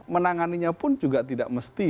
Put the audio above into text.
menangannya pun juga tidak mesti